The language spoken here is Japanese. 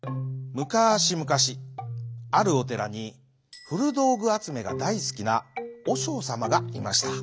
むかしむかしあるおてらにふるどうぐあつめがだいすきなおしょうさまがいました。